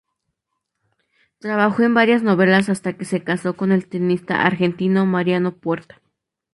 Trabajó en varias novelas hasta que se casó con el tenista argentino Mariano Puerta.